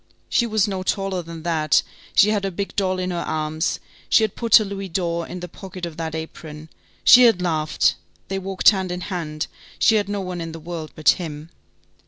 She was no taller than that, she had her big doll in her arms, she had put her louis d'or in the pocket of that apron, she had laughed, they walked hand in hand, she had no one in the world but him.